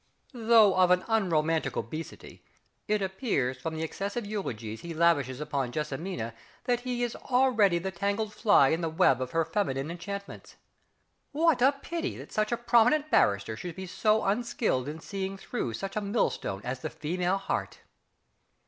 Though of an unromantic obesity, it appears from the excessive eulogies he lavishes upon JESSIMINA that he is already the tangled fly in the web of her feminine enchantments. What a pity that such a prominent barrister should be so unskilled in seeing through such a millstone as the female heart!